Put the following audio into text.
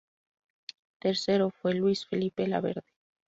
Tercero fue Luis Felipe Laverde.